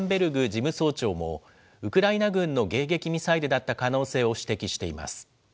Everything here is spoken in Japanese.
事務総長も、ウクライナ軍の迎撃ミサイルだった可能性を指摘しています。